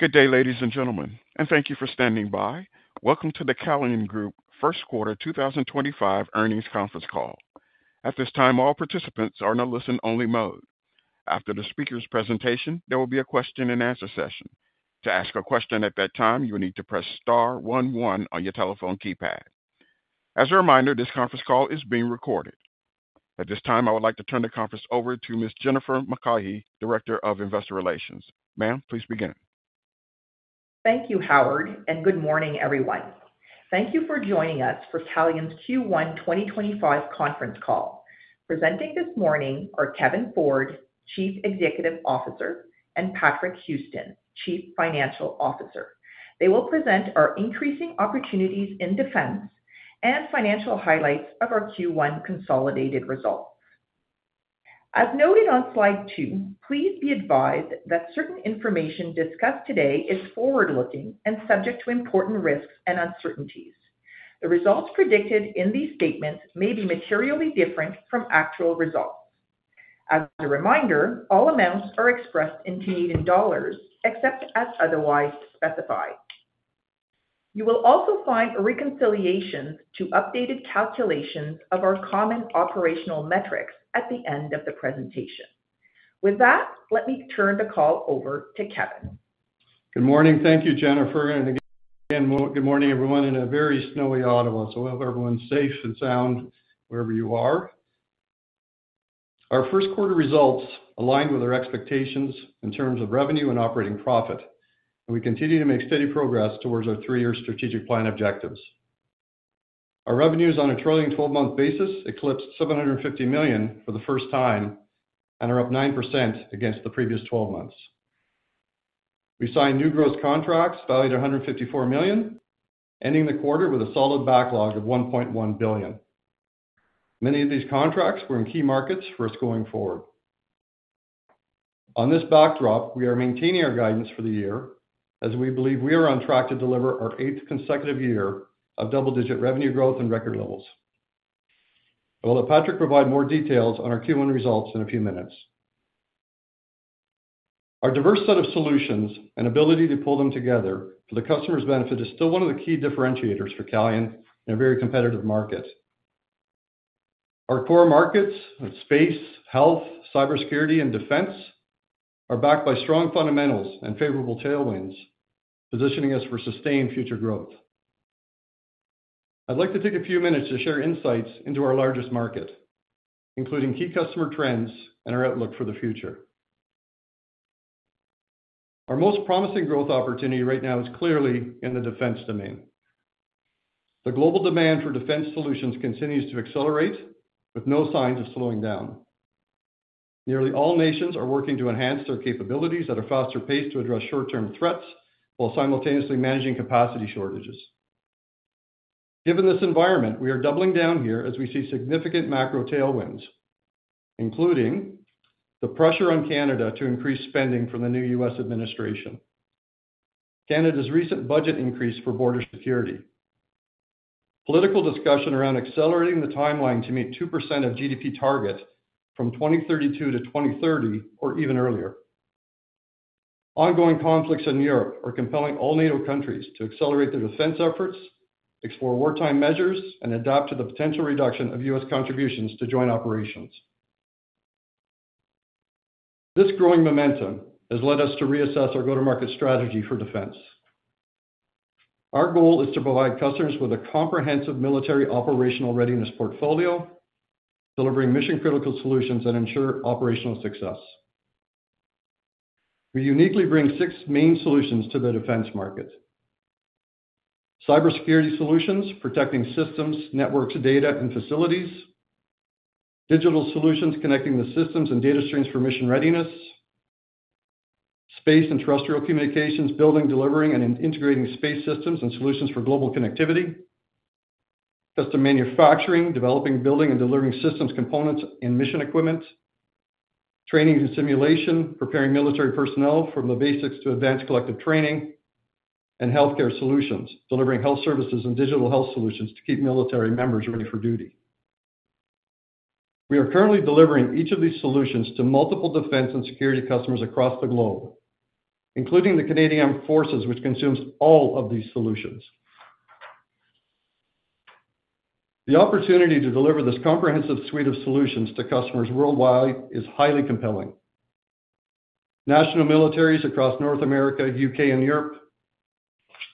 Good day, ladies and gentlemen, and thank you for standing by. Welcome to the Calian Group First Quarter 2025 earnings conference call. At this time, all participants are in a listen-only mode. After the speaker's presentation, there will be a question-and-answer session. To ask a question at that time, you will need to press star 11 on your telephone keypad. As a reminder, this conference call is being recorded. At this time, I would like to turn the conference over to Ms. Jennifer McCaughey, Director of Investor Relations. Ma'am, please begin. Thank you, Howard, and good morning, everyone. Thank you for joining us for Calian's Q1 2025 conference call. Presenting this morning are Kevin Ford, Chief Executive Officer, and Patrick Houston, Chief Financial Officer. They will present our increasing opportunities in defense and financial highlights of our Q1 consolidated results. As noted on slide two, please be advised that certain information discussed today is forward-looking and subject to important risks and uncertainties. The results predicted in these statements may be materially different from actual results. As a reminder, all amounts are expressed in Canadian dollars except as otherwise specified. You will also find reconciliations to updated calculations of our common operational metrics at the end of the presentation. With that, let me turn the call over to Kevin. Good morning. Thank you, Jennifer. And again, good morning, everyone, in a very snowy Ottawa. So I hope everyone's safe and sound wherever you are. Our first quarter results aligned with our expectations in terms of revenue and operating profit, and we continue to make steady progress towards our three-year strategic plan objectives. Our revenues, on a trailing 12-month basis, eclipsed 750 million for the first time and are up 9% against the previous 12 months. We signed new gross contracts valued at 154 million, ending the quarter with a solid backlog of 1.1 billion. Many of these contracts were in key markets for us going forward. On this backdrop, we are maintaining our guidance for the year as we believe we are on track to deliver our eighth consecutive year of double-digit revenue growth and record levels. I'll let Patrick provide more details on our Q1 results in a few minutes. Our diverse set of solutions and ability to pull them together for the customer's benefit is still one of the key differentiators for Calian in a very competitive market. Our core markets of space, health, cybersecurity, and defense are backed by strong fundamentals and favorable tailwinds, positioning us for sustained future growth. I'd like to take a few minutes to share insights into our largest market, including key customer trends and our outlook for the future. Our most promising growth opportunity right now is clearly in the defense domain. The global demand for defense solutions continues to accelerate, with no signs of slowing down. Nearly all nations are working to enhance their capabilities at a faster pace to address short-term threats while simultaneously managing capacity shortages. Given this environment, we are doubling down here as we see significant macro tailwinds, including the pressure on Canada to increase spending from the new U.S. administration, Canada's recent budget increase for border security, political discussion around accelerating the timeline to meet 2% of GDP target from 2032 to 2030, or even earlier. Ongoing conflicts in Europe are compelling all NATO countries to accelerate their defense efforts, explore wartime measures, and adapt to the potential reduction of U.S. contributions to joint operations. This growing momentum has led us to reassess our go-to-market strategy for defense. Our goal is to provide customers with a comprehensive military operational readiness portfolio, delivering mission-critical solutions that ensure operational success. We uniquely bring six main solutions to the defense market: cybersecurity solutions, protecting systems, networks, data, and facilities. Digital solutions, connecting the systems and data streams for mission readiness. Space and terrestrial communications, building, delivering, and integrating space systems and solutions for global connectivity. Custom manufacturing, developing, building, and delivering systems, components, and mission equipment. Training and simulation, preparing military personnel from the basics to advanced collective training. And healthcare solutions, delivering health services and digital health solutions to keep military members ready for duty. We are currently delivering each of these solutions to multiple defense and security customers across the globe, including the Canadian Armed Forces, which consumes all of these solutions. The opportunity to deliver this comprehensive suite of solutions to customers worldwide is highly compelling. National militaries across North America, the U.K., and Europe,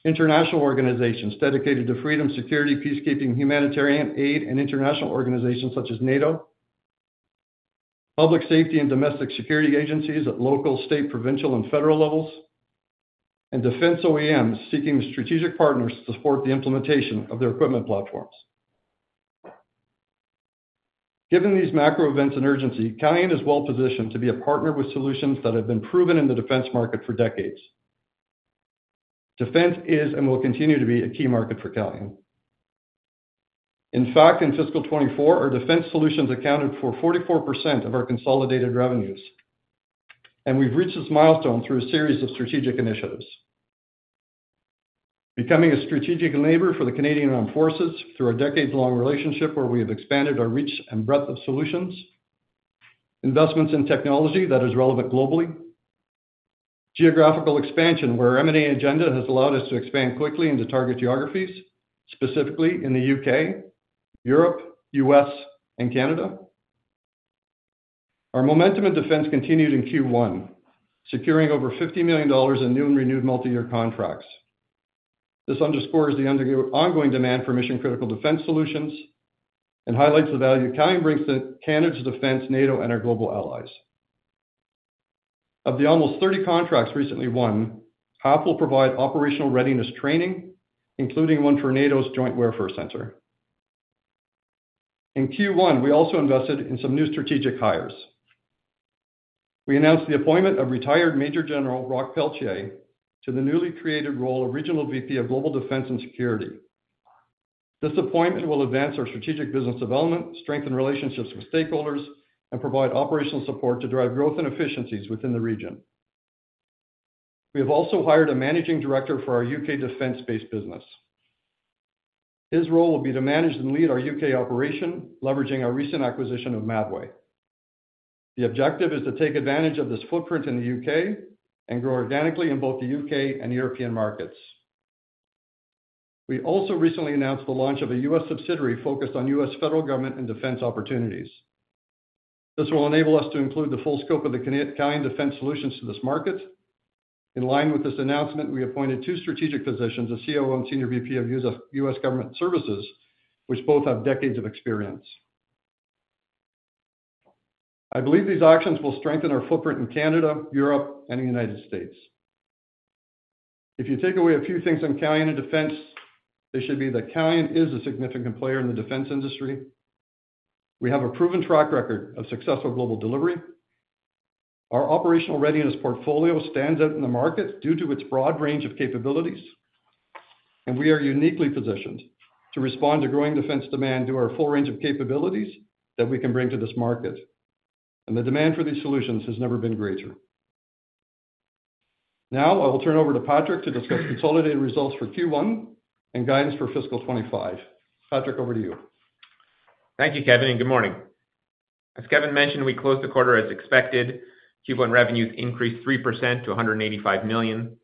international organizations dedicated to freedom, security, peacekeeping, humanitarian aid, and international organizations such as NATO, public safety and domestic security agencies at local, state, provincial, and federal levels, and defense OEMs seeking strategic partners to support the implementation of their equipment platforms. Given these macro events and urgency, Calian is well-positioned to be a partner with solutions that have been proven in the defense market for decades. Defense is and will continue to be a key market for Calian. In fact, in fiscal 2024, our defense solutions accounted for 44% of our consolidated revenues, and we've reached this milestone through a series of strategic initiatives. Becoming a strategic enabler for the Canadian Armed Forces through our decades-long relationship, where we have expanded our reach and breadth of solutions. Investments in technology that are relevant globally. Geographical expansion, where our M&A agenda has allowed us to expand quickly into target geographies, specifically in the U.K., Europe, U.S., and Canada. Our momentum in defense continued in Q1, securing over 50 million dollars in new and renewed multi-year contracts. This underscores the ongoing demand for mission-critical defense solutions and highlights the value Calian brings to Canada's defense, NATO, and our global allies. Of the almost 30 contracts recently won, half will provide operational readiness training, including one for NATO's Joint Warfare Centre. In Q1, we also invested in some new strategic hires. We announced the appointment of retired Major General Roch Pelletier to the newly created role of Regional VP of Global Defense and Security. This appointment will advance our strategic business development, strengthen relationships with stakeholders, and provide operational support to drive growth and efficiencies within the region. We have also hired a Managing Director for our U.K. defense-based business. His role will be to manage and lead our U.K. operation, leveraging our recent acquisition of Mabway. The objective is to take advantage of this footprint in the U.K. and grow organically in both the U.K. and European markets. We also recently announced the launch of a U.S. subsidiary focused on U.S. federal government and defense opportunities. This will enable us to include the full scope of the Calian defense solutions to this market. In line with this announcement, we appointed two strategic positions: a COO and Senior VP of U.S. Government Services, which both have decades of experience. I believe these actions will strengthen our footprint in Canada, Europe, and the United States. If you take away a few things on Calian and defense, they should be that Calian is a significant player in the defense industry. We have a proven track record of successful global delivery. Our operational readiness portfolio stands out in the markets due to its broad range of capabilities, and we are uniquely positioned to respond to growing defense demand through our full range of capabilities that we can bring to this market. And the demand for these solutions has never been greater. Now, I will turn over to Patrick to discuss consolidated results for Q1 and guidance for fiscal 2025. Patrick, over to you. Thank you, Kevin, and good morning. As Kevin mentioned, we closed the quarter as expected. Q1 revenues increased 3% to 185 million.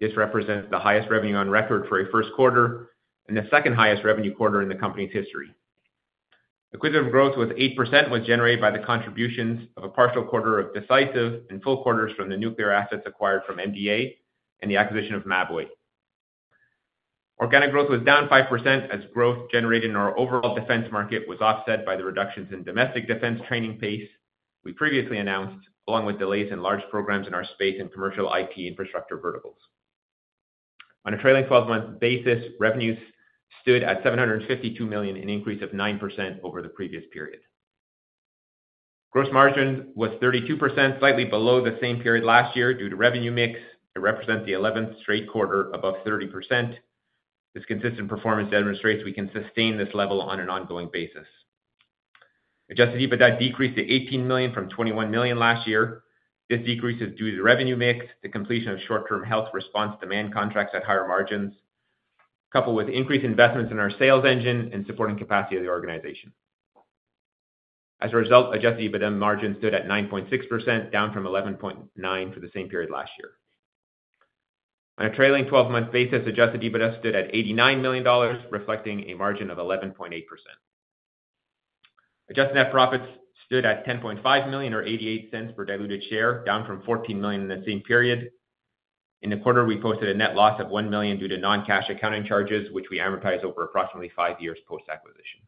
This represents the highest revenue on record for a first quarter and the second highest revenue quarter in the company's history. Equivalent growth was 8%, which was generated by the contributions of a partial quarter of Decisive and full quarters from the nuclear assets acquired from MDA and the acquisition of Mabway. Organic growth was down 5% as growth generated in our overall defense market was offset by the reductions in domestic defense training pace we previously announced, along with delays in large programs in our space and commercial IT infrastructure verticals. On a trailing 12-month basis, revenues stood at 752 million, an increase of 9% over the previous period. Gross margin was 32%, slightly below the same period last year due to revenue mix. It represents the 11th straight quarter above 30%. This consistent performance demonstrates we can sustain this level on an ongoing basis. Adjusted EBITDA decreased to 18 million from 21 million last year. This decrease is due to the revenue mix, the completion of short-term health response demand contracts at higher margins, coupled with increased investments in our sales engine and supporting capacity of the organization. As a result, adjusted EBITDA margin stood at 9.6%, down from 11.9% for the same period last year. On a trailing 12-month basis, adjusted EBITDA stood at 89 million dollars, reflecting a margin of 11.8%. Adjusted net profits stood at 10.5 million, or 0.88 per diluted share, down from 14 million in the same period. In the quarter, we posted a net loss of 1 million due to non-cash accounting charges, which we amortized over approximately five years post-acquisition.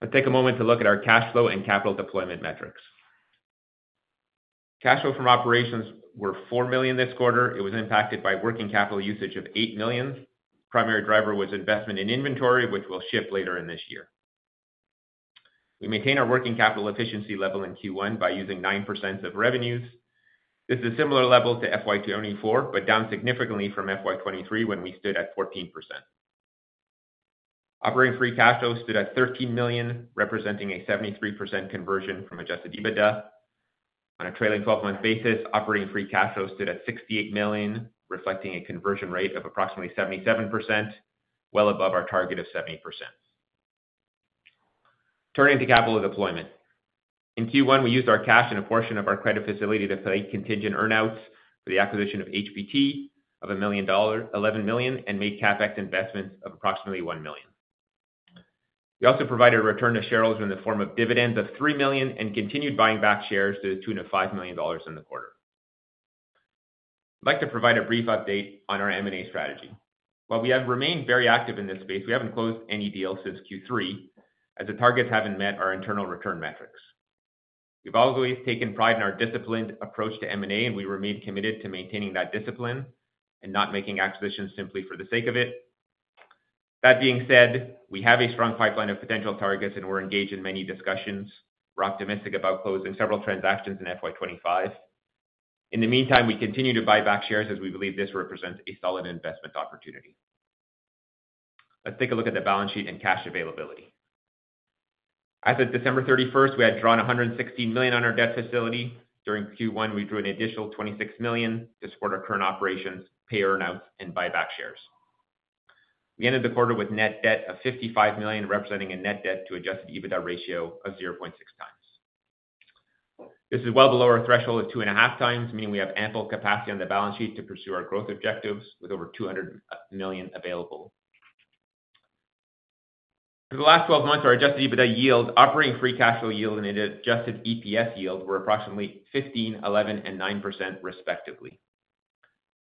Let's take a moment to look at our cash flow and capital deployment metrics. Cash flow from operations were 4 million this quarter. It was impacted by working capital usage of 8 million. The primary driver was investment in inventory, which will shift later in this year. We maintained our working capital efficiency level in Q1 by using 9% of revenues. This is a similar level to FY 2024, but down significantly from FY 2023 when we stood at 14%. Operating free cash flow stood at 13 million, representing a 73% conversion from Adjusted EBITDA. On a trailing 12-month basis, operating free cash flow stood at 68 million, reflecting a conversion rate of approximately 77%, well above our target of 70%. Turning to capital deployment. In Q1, we used our cash and a portion of our credit facility to pay contingent earnouts for the acquisition of HPT of 11 million and made CapEx investments of approximately one million. We also provided return to shareholders in the form of dividends of three million and continued buying back shares to the tune of 5 million dollars in the quarter. I'd like to provide a brief update on our M&A strategy. While we have remained very active in this space, we haven't closed any deals since Q3 as the targets haven't met our internal return metrics. We've always taken pride in our disciplined approach to M&A, and we remain committed to maintaining that discipline and not making acquisitions simply for the sake of it. That being said, we have a strong pipeline of potential targets, and we're engaged in many discussions. We're optimistic about closing several transactions in FY 2025. In the meantime, we continue to buy back shares as we believe this represents a solid investment opportunity. Let's take a look at the balance sheet and cash availability. As of December 31st, we had drawn 116 million on our debt facility. During Q1, we drew an additional 26 million to support our current operations, pay earnouts, and buy back shares. We ended the quarter with net debt of 55 million, representing a net debt-to-Adjusted EBITDA ratio of 0.6 times. This is well below our threshold of two and a half times, meaning we have ample capacity on the balance sheet to pursue our growth objectives with over 200 million available. For the last 12 months, our Adjusted EBITDA yield, Operating Free Cash Flow yield, and Adjusted EPS yield were approximately 15%, 11%, and 9% respectively.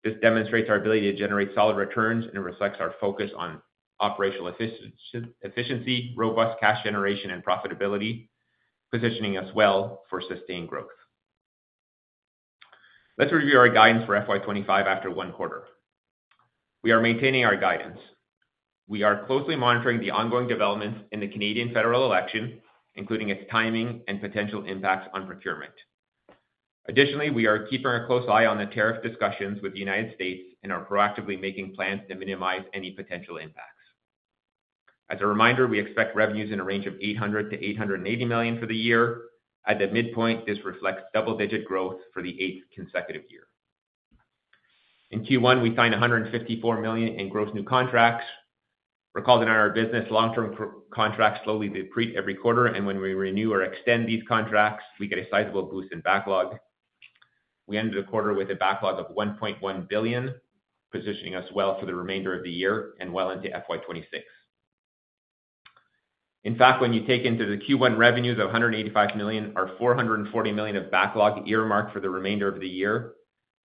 This demonstrates our ability to generate solid returns and reflects our focus on operational efficiency, robust cash generation, and profitability, positioning us well for sustained growth. Let's review our guidance for FY 2025 after one quarter. We are maintaining our guidance. We are closely monitoring the ongoing developments in the Canadian federal election, including its timing and potential impacts on procurement. Additionally, we are keeping a close eye on the tariff discussions with the United States and are proactively making plans to minimize any potential impacts. As a reminder, we expect revenues in a range of 800 million-880 million for the year. At the midpoint, this reflects double-digit growth for the eighth consecutive year. In Q1, we signed 154 million in gross new contracts. Recall that in our business, long-term contracts slowly deplete every quarter, and when we renew or extend these contracts, we get a sizable boost in backlog. We ended the quarter with a backlog of 1.1 billion, positioning us well for the remainder of the year and well into FY 26. In fact, when you take into the Q1 revenues of 185 million, our 440 million of backlog earmarked for the remainder of the year,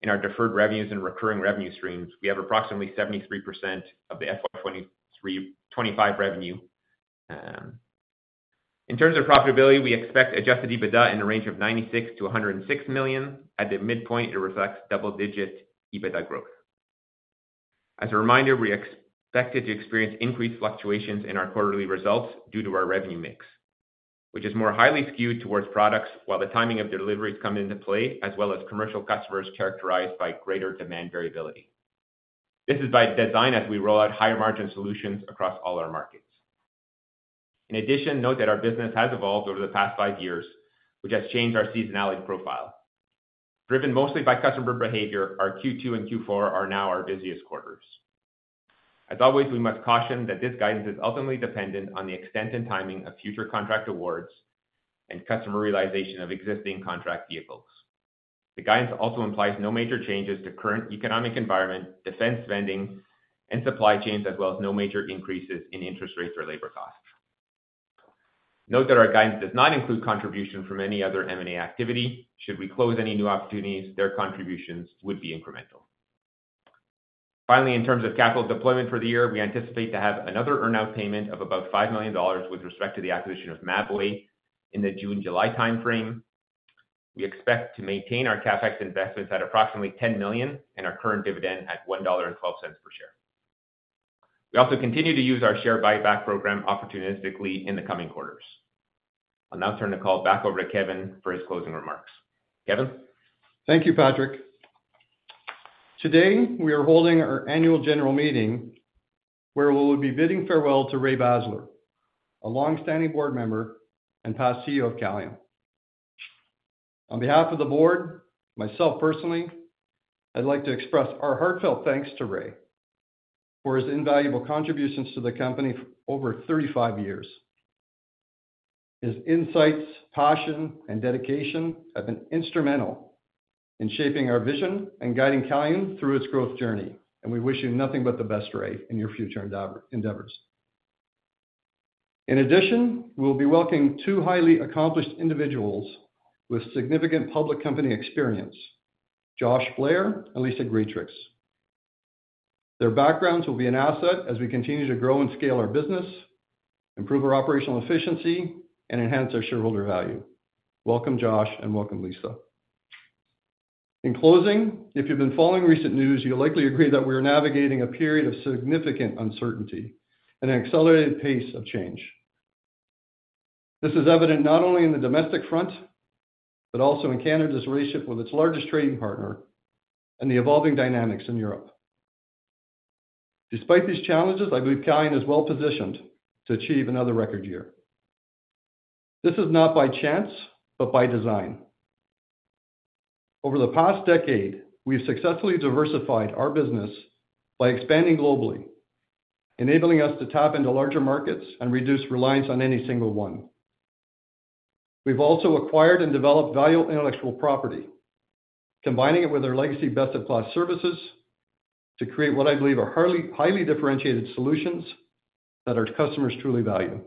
and our deferred revenues and recurring revenue streams, we have approximately 73% of the FY 25 revenue. In terms of profitability, we expect Adjusted EBITDA in the range of 96-106 million. At the midpoint, it reflects double-digit EBITDA growth. As a reminder, we expected to experience increased fluctuations in our quarterly results due to our revenue mix, which is more highly skewed towards products while the timing of deliveries comes into play, as well as commercial customers characterized by greater demand variability. This is by design as we roll out higher-margin solutions across all our markets. In addition, note that our business has evolved over the past five years, which has changed our seasonality profile. Driven mostly by customer behavior, our Q2 and Q4 are now our busiest quarters. As always, we must caution that this guidance is ultimately dependent on the extent and timing of future contract awards and customer realization of existing contract vehicles. The guidance also implies no major changes to current economic environment, defense spending, and supply chains, as well as no major increases in interest rates or labor costs. Note that our guidance does not include contributions from any other M&A activity. Should we close any new opportunities, their contributions would be incremental. Finally, in terms of capital deployment for the year, we anticipate to have another earnout payment of about 5 million dollars with respect to the acquisition of Mabway in the June-July timeframe. We expect to maintain our CapEx investments at approximately 10 million and our current dividend at 1.12 dollar per share. We also continue to use our share buyback program opportunistically in the coming quarters. I'll now turn the call back over to Kevin for his closing remarks. Kevin. Thank you, Patrick. Today, we are holding our annual general meeting where we will be bidding farewell to Ray Basler, a longstanding board member and past CEO of Calian. On behalf of the board, myself personally, I'd like to express our heartfelt thanks to Ray for his invaluable contributions to the company for over 35 years. His insights, passion, and dedication have been instrumental in shaping our vision and guiding Calian through its growth journey, and we wish you nothing but the best, Ray, in your future endeavors. In addition, we'll be welcoming two highly accomplished individuals with significant public company experience, Josh Blair and Lisa Greatrix. Their backgrounds will be an asset as we continue to grow and scale our business, improve our operational efficiency, and enhance our shareholder value. Welcome, Josh, and welcome, Lisa. In closing, if you've been following recent news, you'll likely agree that we are navigating a period of significant uncertainty and an accelerated pace of change. This is evident not only in the domestic front, but also in Canada's relationship with its largest trading partner and the evolving dynamics in Europe. Despite these challenges, I believe Calian is well positioned to achieve another record year. This is not by chance, but by design. Over the past decade, we've successfully diversified our business by expanding globally, enabling us to tap into larger markets and reduce reliance on any single one. We've also acquired and developed valuable intellectual property, combining it with our legacy best-in-class services to create what I believe are highly differentiated solutions that our customers truly value.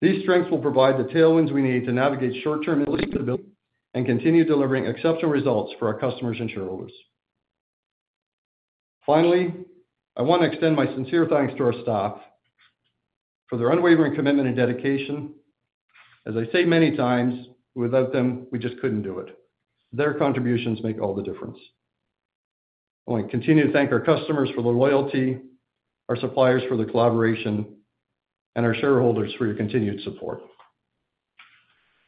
These strengths will provide the tailwinds we need to navigate short-term and continue delivering exceptional results for our customers and shareholders. Finally, I want to extend my sincere thanks to our staff for their unwavering commitment and dedication. As I say many times, without them, we just couldn't do it. Their contributions make all the difference. I want to continue to thank our customers for the loyalty, our suppliers for the collaboration, and our shareholders for your continued support.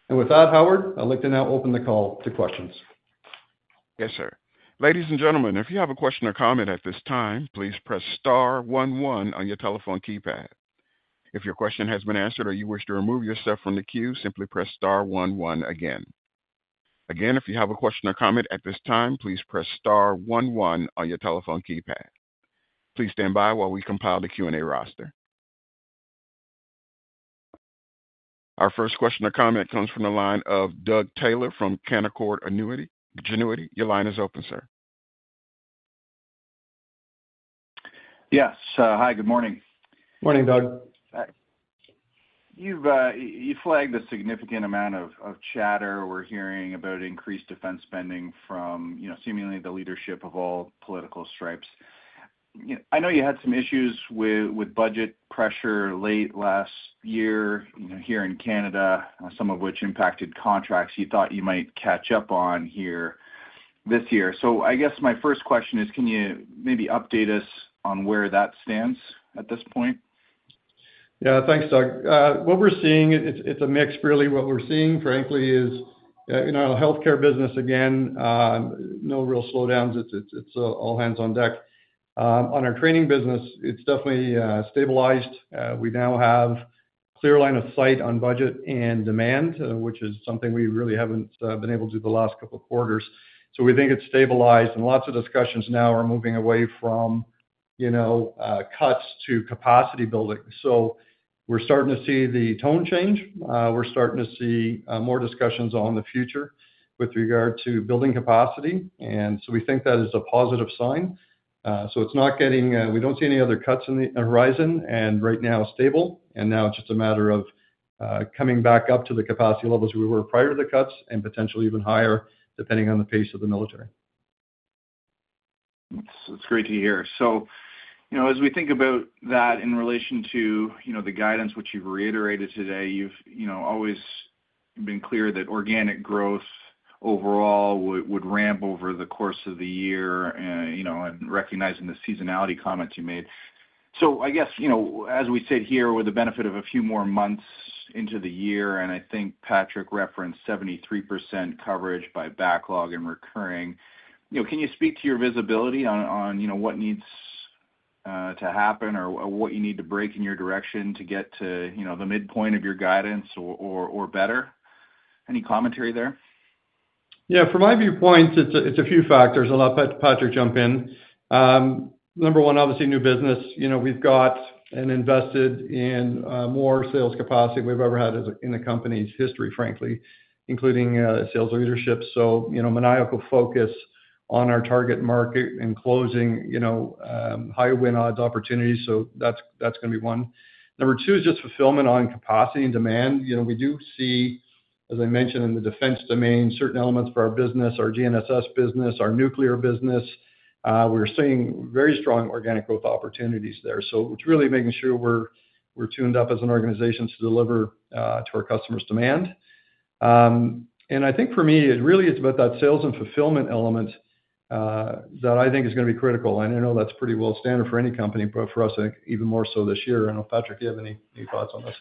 And with that, Howard, I'd like to now open the call to questions. Yes, sir. Ladies and gentlemen, if you have a question or comment at this time, please press star 11 on your telephone keypad. If your question has been answered or you wish to remove yourself from the queue, simply press star 11 again. Again, if you have a question or comment at this time, please press star 11 on your telephone keypad. Please stand by while we compile the Q&A roster. Our first question or comment comes from the line of Doug Taylor from Canaccord Genuity. Your line is open, sir. Yes. Hi, good morning. Morning, Doug. You've flagged a significant amount of chatter. We're hearing about increased defense spending from seemingly the leadership of all political stripes. I know you had some issues with budget pressure late last year here in Canada, some of which impacted contracts you thought you might catch up on here this year. So I guess my first question is, can you maybe update us on where that stands at this point? Yeah, thanks, Doug. What we're seeing, it's a mix. Really, what we're seeing, frankly, is in our healthcare business again, no real slowdowns. It's all hands on deck. On our training business, it's definitely stabilized. We now have a clear line of sight on budget and demand, which is something we really haven't been able to do the last couple of quarters. So we think it's stabilized, and lots of discussions now are moving away from cuts to capacity building. So we're starting to see the tone change. We're starting to see more discussions on the future with regard to building capacity, and so we think that is a positive sign. So it's not getting, we don't see any other cuts on the horizon, and right now it's stable. Now it's just a matter of coming back up to the capacity levels we were prior to the cuts and potentially even higher, depending on the pace of the military. That's great to hear. So as we think about that in relation to the guidance, which you've reiterated today, you've always been clear that organic growth overall would ramp over the course of the year, recognizing the seasonality comments you made. So I guess, as we sit here with the benefit of a few more months into the year, and I think Patrick referenced 73% coverage by backlog and recurring, can you speak to your visibility on what needs to happen or what you need to break in your direction to get to the midpoint of your guidance or better? Any commentary there? Yeah, from my viewpoint, it's a few factors. I'll let Patrick jump in. Number one, obviously, new business. We've got and invested in more sales capacity than we've ever had in the company's history, frankly, including sales leadership. So maniacal focus on our target market and closing higher win odds opportunities. So that's going to be one. Number two is just fulfillment on capacity and demand. We do see, as I mentioned, in the defense domain, certain elements for our business, our GNSS business, our nuclear business. We're seeing very strong organic growth opportunities there. So it's really making sure we're tuned up as an organization to deliver to our customers' demand. And I think for me, it really is about that sales and fulfillment element that I think is going to be critical. I know that's pretty well standard for any company, but for us, I think even more so this year. I don't know, Patrick, do you have any thoughts on this?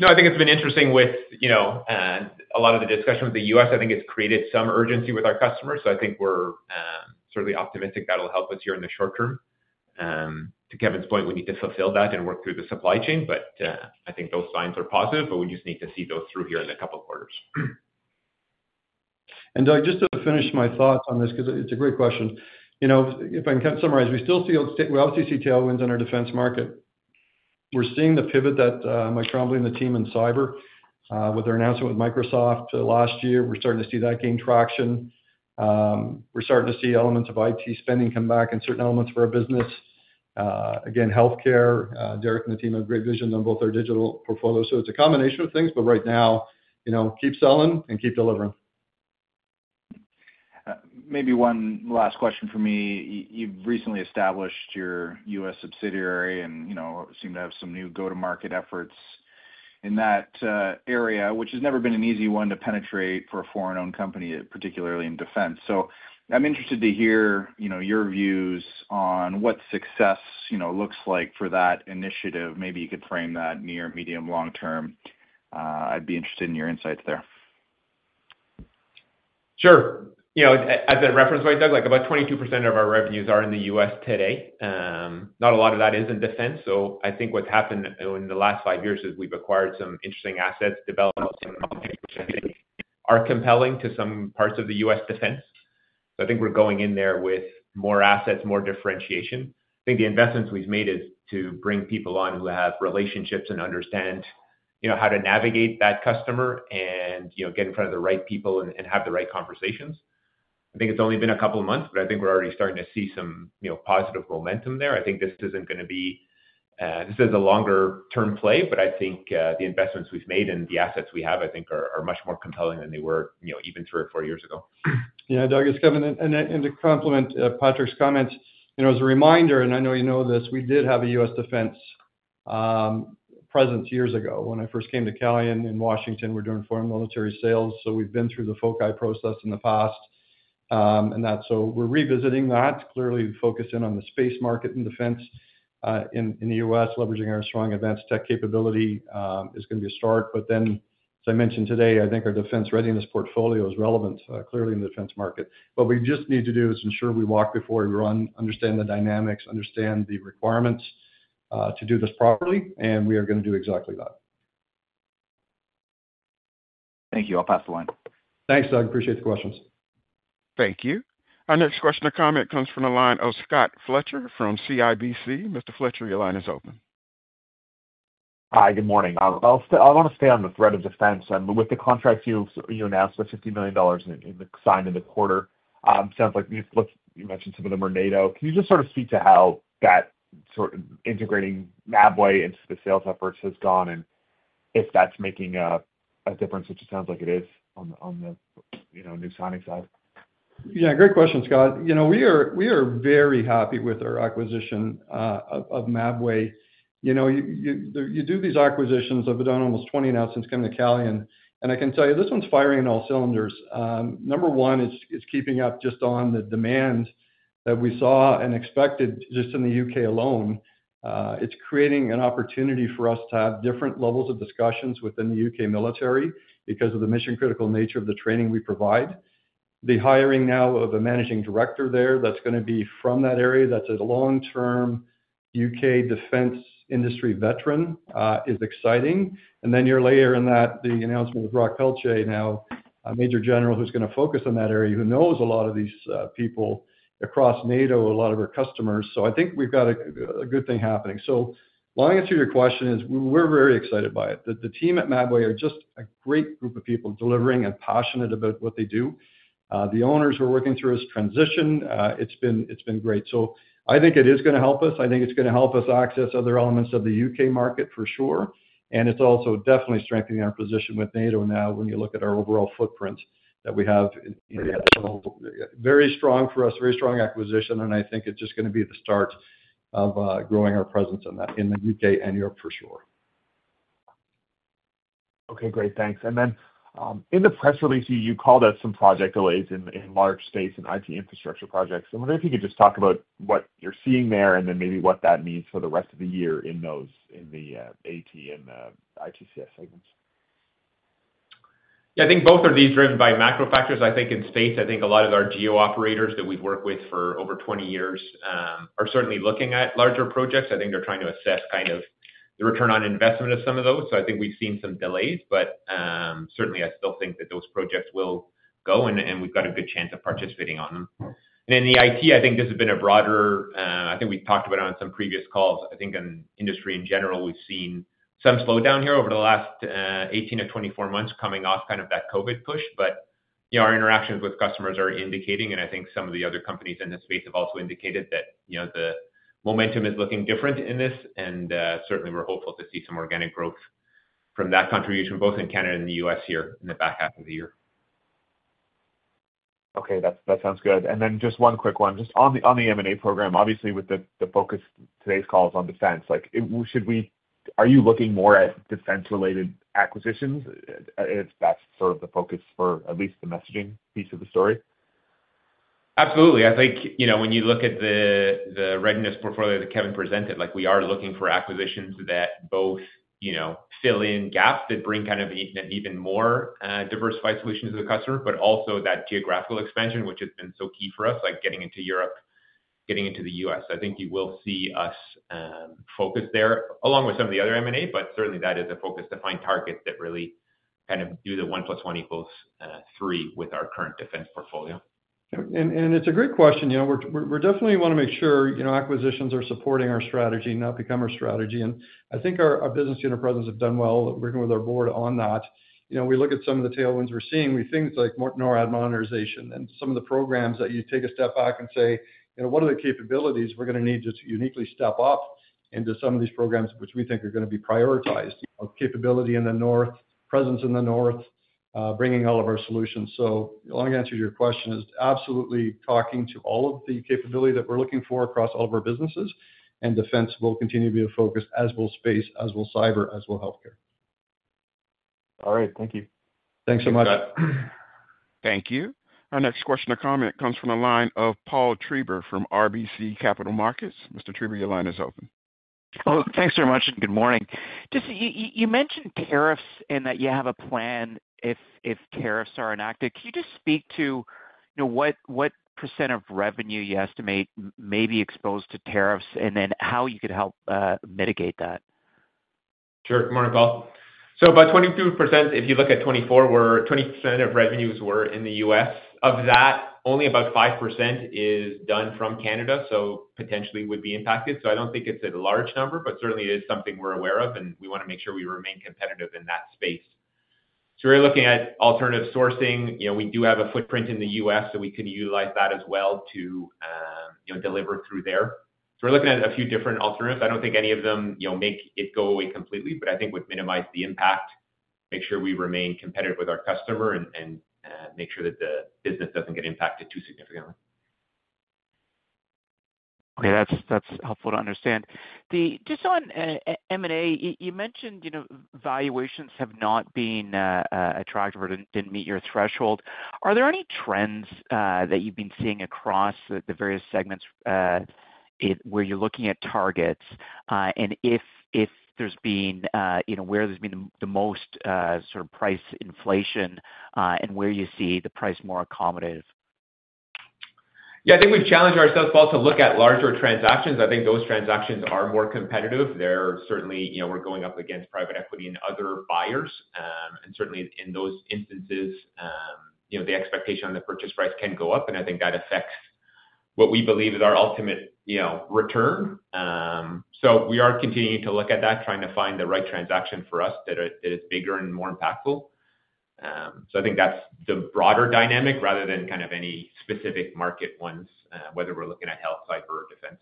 No, I think it's been interesting with a lot of the discussion with the U.S. I think it's created some urgency with our customers. So I think we're certainly optimistic that'll help us here in the short term. To Kevin's point, we need to fulfill that and work through the supply chain. But I think those signs are positive, but we just need to see those through here in a couple of quarters. Doug, just to finish my thoughts on this, because it's a great question. If I can kind of summarize, we still see obviously tailwinds in our defense market. We're seeing the pivot that Michael Tremblay and the team in cyber with their announcement with Microsoft last year. We're starting to see that gain traction. We're starting to see elements of IT spending come back and certain elements for our business. Again, healthcare, Derek and the team have great vision on both our digital portfolio. So it's a combination of things, but right now, keep selling and keep delivering. Maybe one last question for me. You've recently established your U.S. subsidiary and seem to have some new go-to-market efforts in that area, which has never been an easy one to penetrate for a foreign-owned company, particularly in defense. So I'm interested to hear your views on what success looks like for that initiative. Maybe you could frame that near-, medium-, long-term. I'd be interested in your insights there. Sure. As I referenced by Doug, about 22% of our revenues are in the U.S. today. Not a lot of that is in defense. So I think what's happened in the last five years is we've acquired some interesting assets, developed some companies which I think are compelling to some parts of the U.S. defense. So I think we're going in there with more assets, more differentiation. I think the investments we've made is to bring people on who have relationships and understand how to navigate that customer and get in front of the right people and have the right conversations. I think it's only been a couple of months, but I think we're already starting to see some positive momentum there. I think this isn't going to be. This is a longer-term play, but I think the investments we've made and the assets we have, I think, are much more compelling than they were even three or four years ago. Yeah, Doug, it's Kevin. And to complement Patrick's comments, as a reminder, and I know you know this, we did have a U.S. defense presence years ago when I first came to Calian in Washington. We're doing foreign military sales. So we've been through the FOCI process in the past. And so we're revisiting that, clearly focusing on the space market and defense in the U.S., leveraging our strong advanced tech capability is going to be a start. But then, as I mentioned today, I think our defense readiness portfolio is relevant, clearly in the defense market. What we just need to do is ensure we walk before we run, understand the dynamics, understand the requirements to do this properly, and we are going to do exactly that. Thank you. I'll pass the line. Thanks, Doug. Appreciate the questions. Thank you. Our next question or comment comes from the line of Scott Fletcher from CIBC. Mr. Fletcher, your line is open. Hi, good morning. I want to stay on the thread of defense. With the contracts you announced, the 50 million dollars signed in the quarter, it sounds like you mentioned some of them were NATO. Can you just sort of speak to how that integrating Mabway into the sales efforts has gone and if that's making a difference, which it sounds like it is on the new signing side? Yeah, great question, Scott. We are very happy with our acquisition of Mabway. You do these acquisitions; I've done almost 20 now since coming to Calian. And I can tell you, this one's firing on all cylinders. Number one, it's keeping up just on the demand that we saw and expected just in the U.K. alone. It's creating an opportunity for us to have different levels of discussions within the U.K. military because of the mission-critical nature of the training we provide. The hiring now of a managing director there that's going to be from that area, that's a long-term U.K. defense industry veteran, is exciting. And then you're layering that, the announcement of Roch Pelletier, now a major general who's going to focus on that area, who knows a lot of these people across NATO, a lot of our customers. So I think we've got a good thing happening. So my answer to your question is we're very excited by it. The team at Mabway are just a great group of people delivering and passionate about what they do. The owners, we're working through this transition, it's been great. So I think it is going to help us. I think it's going to help us access other elements of the U.K. market for sure. And it's also definitely strengthening our position with NATO now when you look at our overall footprint that we have. So very strong for us, very strong acquisition. And I think it's just going to be the start of growing our presence in the U.K. and Europe for sure. Okay, great. Thanks. And then in the press release, you called out some project delays in large space and IT infrastructure projects. I wonder if you could just talk about what you're seeing there and then maybe what that means for the rest of the year in the AT and ITCS segments. Yeah, I think both are being driven by macro factors. I think in space, I think a lot of our geo operators that we've worked with for over 20 years are certainly looking at larger projects. I think they're trying to assess kind of the return on investment of some of those. So I think we've seen some delays, but certainly I still think that those projects will go and we've got a good chance of participating on them. And in the IT, I think this has been a broader, I think we've talked about it on some previous calls. I think in industry in general, we've seen some slowdown here over the last 18-24 months coming off kind of that COVID push. But our interactions with customers are indicating, and I think some of the other companies in this space have also indicated that the momentum is looking different in this. And certainly, we're hopeful to see some organic growth from that contribution, both in Canada and the U.S. here in the back half of the year. Okay, that sounds good. And then just one quick one. Just on the M&A program, obviously with the focus, today's call is on defense. Are you looking more at defense-related acquisitions if that's sort of the focus for at least the messaging piece of the story? Absolutely. I think when you look at the readiness portfolio that Kevin presented, we are looking for acquisitions that both fill in gaps that bring kind of an even more diversified solution to the customer, but also that geographical expansion, which has been so key for us, like getting into Europe, getting into the U.S. I think you will see us focus there along with some of the other M&A, but certainly that is a focus to find targets that really kind of do the 1 plus 1 equals 3 with our current defense portfolio. It's a great question. We definitely want to make sure acquisitions are supporting our strategy, not become our strategy. I think our business unit presence has done well working with our board on that. We look at some of the tailwinds we're seeing with things like NORAD modernization and some of the programs that you take a step back and say, what are the capabilities we're going to need to uniquely step up into some of these programs which we think are going to be prioritized? Of capability in the north, presence in the north, bringing all of our solutions. Long answer to your question is absolutely talking to all of the capability that we're looking for across all of our businesses. Defense will continue to be a focus, as will space, as will cyber, as will healthcare. All right. Thank you. Thanks so much. Thank you. Our next question or comment comes from the line of Paul Treiber from RBC Capital Markets. Mr. Treiber, your line is open. Thanks very much. Good morning. You mentioned tariffs and that you have a plan if tariffs are enacted. Can you just speak to what % of revenue you estimate may be exposed to tariffs and then how you could help mitigate that? Sure. Good morning, Paul, so about 22%, if you look at 2024, where 20% of revenues were in the U.S., of that, only about 5% is done from Canada, so potentially would be impacted, so I don't think it's a large number, but certainly it is something we're aware of, and we want to make sure we remain competitive in that space, so we're looking at alternative sourcing. We do have a footprint in the U.S., so we can utilize that as well to deliver through there, so we're looking at a few different alternatives. I don't think any of them make it go away completely, but I think we've minimized the impact, make sure we remain competitive with our customer, and make sure that the business doesn't get impacted too significantly. Okay, that's helpful to understand. Just on M&A, you mentioned valuations have not been attractive or didn't meet your threshold. Are there any trends that you've been seeing across the various segments where you're looking at targets? And where there's been the most sort of price inflation and where you see the price more accommodative? Yeah, I think we've challenged ourselves both to look at larger transactions. I think those transactions are more competitive. They're certainly, we're going up against private equity and other buyers. And certainly in those instances, the expectation on the purchase price can go up. And I think that affects what we believe is our ultimate return. So we are continuing to look at that, trying to find the right transaction for us that is bigger and more impactful. So I think that's the broader dynamic rather than kind of any specific market ones, whether we're looking at health, cyber, or defense.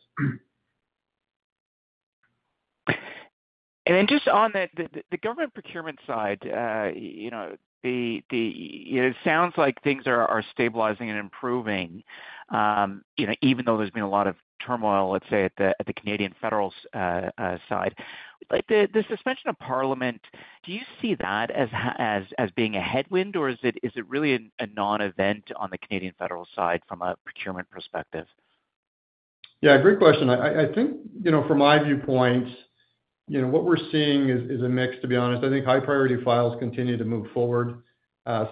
And then just on the government procurement side, it sounds like things are stabilizing and improving, even though there's been a lot of turmoil, let's say, at the Canadian federal side. The suspension of Parliament, do you see that as being a headwind, or is it really a non-event on the Canadian federal side from a procurement perspective? Yeah, great question. I think from my viewpoint, what we're seeing is a mix, to be honest. I think high-priority files continue to move forward.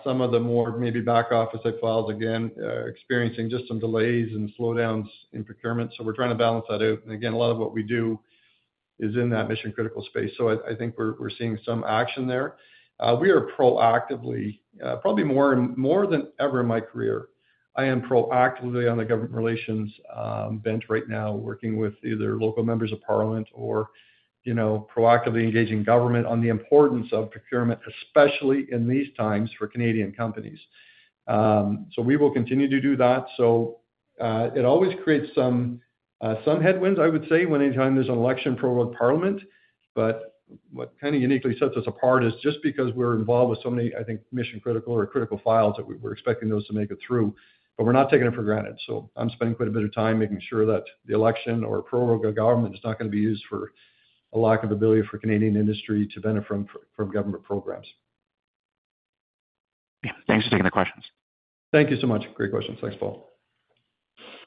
Some of the more maybe back-office files, again, experiencing just some delays and slowdowns in procurement. So we're trying to balance that out. And again, a lot of what we do is in that mission-critical space. So I think we're seeing some action there. We are proactively, probably more than ever in my career, I am proactively on the government relations bent right now, working with either local members of Parliament or proactively engaging government on the importance of procurement, especially in these times for Canadian companies. So we will continue to do that. So it always creates some headwinds, I would say, when anytime there's an election or prorogued Parliament. But what kind of uniquely sets us apart is just because we're involved with so many, I think, mission-critical or critical files that we're expecting those to make it through, but we're not taking it for granted. So I'm spending quite a bit of time making sure that the election or prorogued government is not going to be used for a lack of ability for Canadian industry to benefit from government programs. Thanks for taking the questions. Thank you so much. Great questions. Thanks, Paul.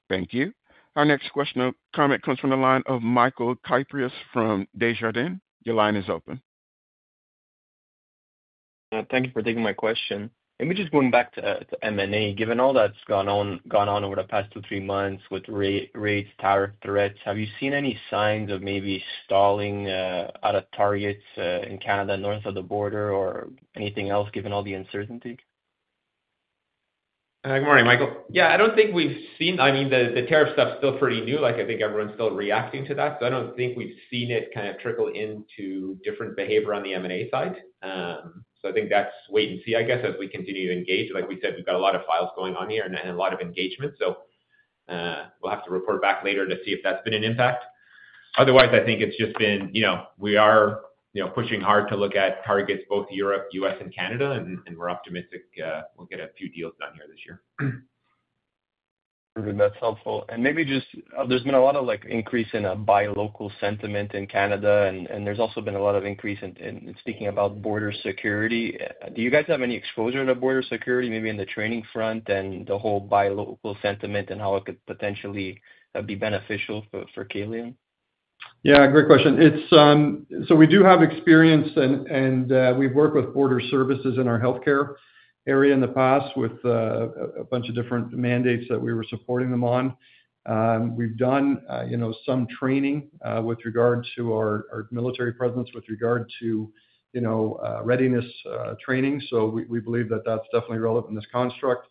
Thank you. Our next question or comment comes from the line of Michael Kypreos from Desjardins. Your line is open. Thank you for taking my question. Let me just go back to M&A. Given all that's gone on over the past two, three months with rates, tariff threats, have you seen any signs of maybe stalling at a target in Canada, north of the border, or anything else, given all the uncertainty? Good morning, Michael. Yeah, I don't think we've seen, I mean, the tariff stuff is still pretty new. I think everyone's still reacting to that. So I don't think we've seen it kind of trickle into different behavior on the M&A side. So I think that's wait and see, I guess, as we continue to engage. Like we said, we've got a lot of files going on here and a lot of engagement. So we'll have to report back later to see if that's been an impact. Otherwise, I think it's just been, we are pushing hard to look at targets, both Europe, U.S., and Canada, and we're optimistic we'll get a few deals done here this year. That's helpful. And maybe just there's been a lot of increase in bilateral sentiment in Canada, and there's also been a lot of increase in speaking about border security. Do you guys have any exposure to border security, maybe in the training front and the whole bilateral sentiment and how it could potentially be beneficial for Calian? Yeah, great question. So we do have experience, and we've worked with border services in our healthcare area in the past with a bunch of different mandates that we were supporting them on. We've done some training with regard to our military presence, with regard to readiness training. So we believe that that's definitely relevant in this construct.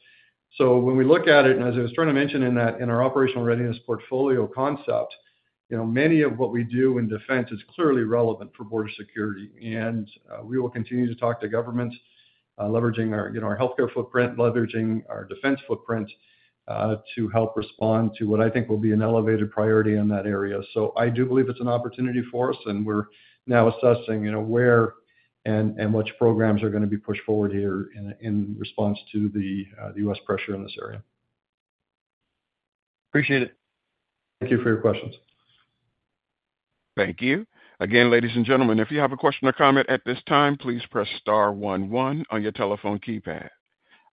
So when we look at it, and as I was trying to mention in our operational readiness portfolio concept, many of what we do in defense is clearly relevant for border security. And we will continue to talk to governments, leveraging our healthcare footprint, leveraging our defense footprint to help respond to what I think will be an elevated priority in that area. So I do believe it's an opportunity for us, and we're now assessing where and which programs are going to be pushed forward here in response to the U.S. pressure in this area. Appreciate it. Thank you for your questions. Thank you. Again, ladies and gentlemen, if you have a question or comment at this time, please press star 11 on your telephone keypad.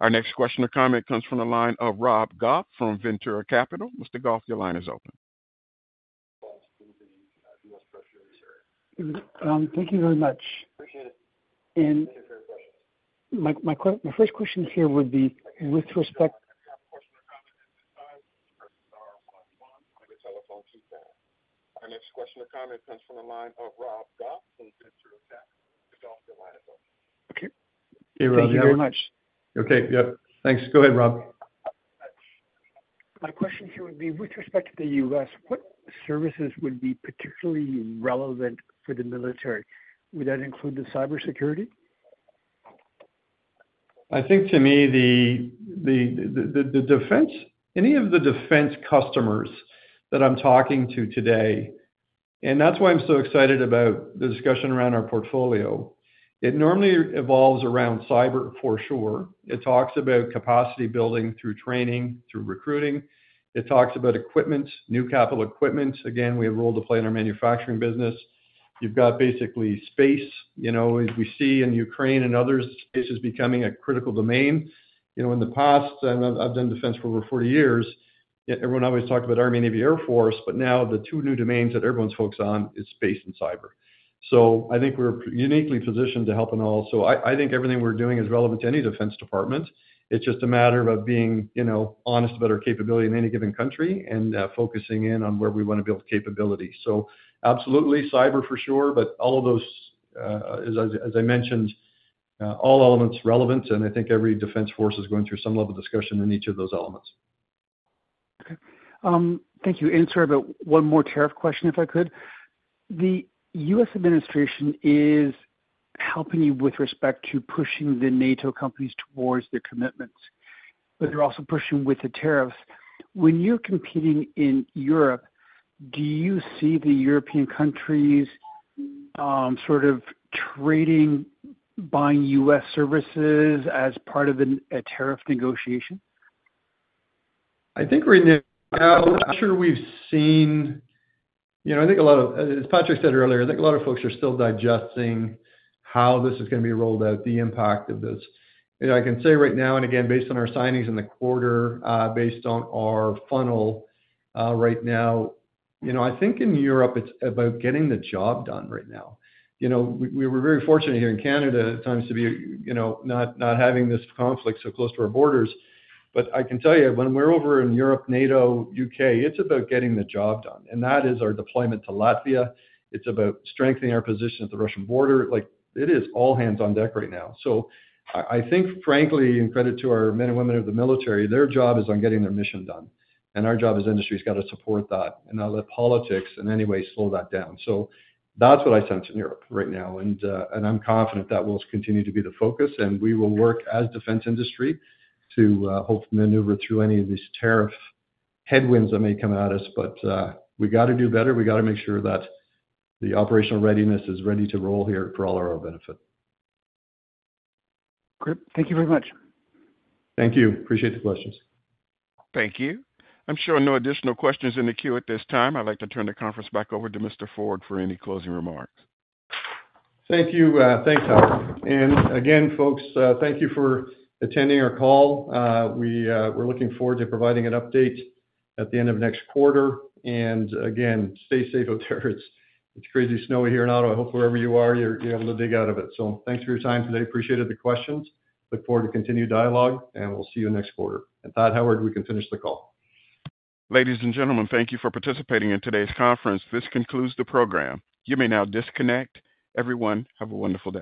Our next question or comment comes from the line of Rob Goff from Ventum Financial. Mr. Goff, your line is open. Thank you very much. And my first question here would be with respect to your question or comment at this time. Press star 11 on your telephone keypad. Our next question or comment comes from the line of Rob Goff from Ventum Financial. Goff, your line is open. Okay. Thank you very much. Okay. Yep. Thanks. Go ahead, Rob. My question here would be with respect to the U.S., what services would be particularly relevant for the military? Would that include the cybersecurity? I think to me, the defense, any of the defense customers that I'm talking to today, and that's why I'm so excited about the discussion around our portfolio. It normally evolves around cyber for sure. It talks about capacity building through training, through recruiting. It talks about equipment, new capital equipment. Again, we have a role to play in our manufacturing business. You've got basically space. As we see in Ukraine and other spaces becoming a critical domain. In the past, I've done defense for over 40 years. Everyone always talked about Army, Navy, Air Force, but now the two new domains that everyone's focused on is space and cyber. So I think we're uniquely positioned to help in all. So I think everything we're doing is relevant to any defense department. It's just a matter of being honest about our capability in any given country and focusing in on where we want to build capability. So absolutely cyber for sure, but all of those, as I mentioned, all elements relevant. And I think every defense force is going through some level of discussion in each of those elements. Okay. Thank you. And sorry about one more tariff question, if I could. The U.S. administration is helping you with respect to pushing the NATO companies towards their commitments, but they're also pushing with the tariffs. When you're competing in Europe, do you see the European countries sort of trading, buying U.S. services as part of a tariff negotiation? I think right now, I'm sure we've seen, I think a lot of, as Patrick said earlier, I think a lot of folks are still digesting how this is going to be rolled out, the impact of this. I can say right now, and again, based on our signings in the quarter, based on our funnel right now, I think in Europe, it's about getting the job done right now. We were very fortunate here in Canada at times to be not having this conflict so close to our borders. But I can tell you, when we're over in Europe, NATO, U.K., it's about getting the job done. And that is our deployment to Latvia. It's about strengthening our position at the Russian border. It is all hands on deck right now. So I think, frankly, in credit to our men and women of the military, their job is on getting their mission done. And our job as industry has got to support that and not let politics in any way slow that down. So that's what I sense in Europe right now. And I'm confident that will continue to be the focus. And we will work as defense industry to hope to maneuver through any of these tariff headwinds that may come at us. But we got to do better. We got to make sure that the operational readiness is ready to roll here for all our own benefit. Great. Thank you very much. Thank you. Appreciate the questions. Thank you. I'm sure no additional questions in the queue at this time. I'd like to turn the conference back over to Mr. Ford for any closing remarks. Thank you. Thanks, Alex. And again, folks, thank you for attending our call. We're looking forward to providing an update at the end of next quarter. And again, stay safe out there. It's crazy snowy here in Ottawa. I hope wherever you are, you're able to dig out of it. So thanks for your time today. Appreciated the questions. Look forward to continued dialogue, and we'll see you next quarter. And Howard, we can finish the call. Ladies and gentlemen, thank you for participating in today's conference. This concludes the program. You may now disconnect. Everyone, have a wonderful day.